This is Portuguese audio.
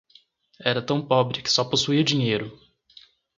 Era tão pobre que só possuía dinheiro